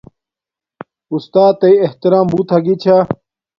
اُستات تݵ احترام بوت ھاگی چھا